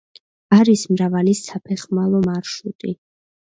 არის მრავალი საფეხმავლო მარშრუტი.